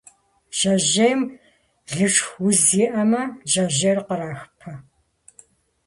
Жьэжьейм лышх уз иӏэмэ, жьэжьейр кърахыпэ.